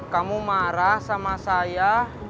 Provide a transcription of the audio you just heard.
kamu marah sama saya